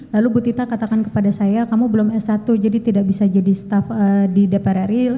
lalu bu tita katakan kepada saya kamu belum s satu jadi tidak bisa jadi staff di dpr ri